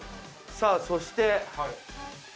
さあそして。